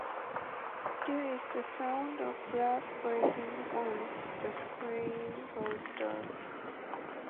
There is the sound of glass breaking once the screen goes dark.